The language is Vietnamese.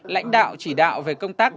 lãnh đạo chỉ đạo về công tác